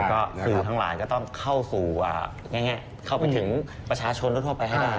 แล้วก็สื่อทั้งหลายก็ต้องเข้าไปถึงประชาชนทั่วไปให้ได้